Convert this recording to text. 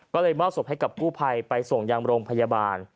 ก็เลยมอบศพให้กับกู้ภัยไปส่งยังโรงพยาบาล